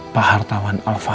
pak hartawan alfahri